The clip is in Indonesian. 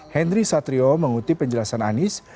henry satrio mengutip penjelasan anies